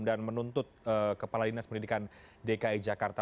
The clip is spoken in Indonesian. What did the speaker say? dan menuntut kepala dinas pendidikan dki jakarta